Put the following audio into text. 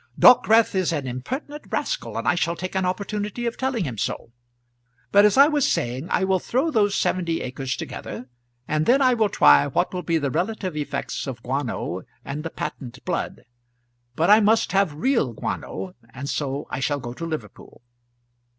"Dockwrath is an impertinent rascal, and I shall take an opportunity of telling him so. But as I was saying, I will throw those seventy acres together, and then I will try what will be the relative effects of guano and the patent blood, But I must have real guano, and so I shall go to Liverpool."